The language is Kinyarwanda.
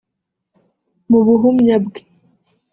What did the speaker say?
Mu buhumya bwe